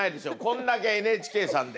こんだけＮＨＫさんで。